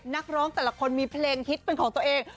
นักร้องแต่ละคนมีเพลงฮิตเป็นของตัวเอง